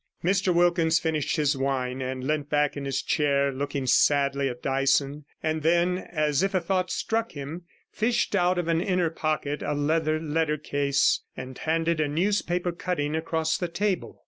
Mr Wilkins finished his wine, and leant back in his chair, looking sadly at Dyson; and then, as if a thought struck him, fished out of an inner pocket a 33 leather lettercase, and handed a newspaper cutting across the table.